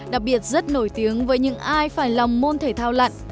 đặc biệt rất nổi tiếng với những ai phải làm môn thể thao lặn